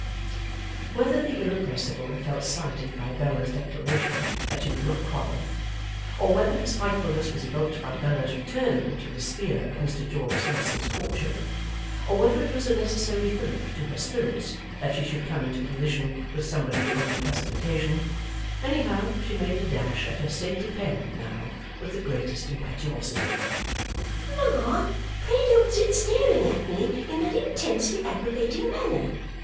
Whether the Irrepressible felt slighted by Bella's declaration that she would not quarrel, or whether her spitefulness was evoked by Bella's return to the sphere of Mr George Sampson's courtship, or whether it was a necessary fillip to her spirits that she should come into collision with somebody on the present occasion, anyhow she made a dash at her stately parent now, with the greatest impetuosity. 'Ma, pray don't sit staring at me in that intensely aggravating manner!